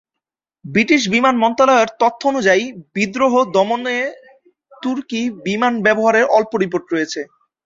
British বিমান মন্ত্রণালয়ের তথ্যানুযায়ী বিদ্রোহ দমনে তুর্কি বিমান ব্যবহারের অল্প রিপোর্ট রয়েছে।